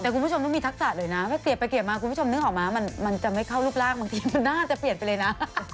แต่คุณผู้ชมต้องมีทักษะเลยนะถ้าเกลียดไปเกลียดมาคุณผู้ชมนึกออกมามันจะไม่เข้ารูปร่างบางทีมันน่าจะเปลี่ยนไปเลยนะ